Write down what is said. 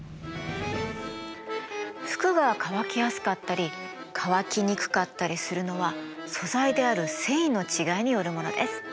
服が乾きやすかったり乾きにくかったりするのは素材である繊維の違いによるものです。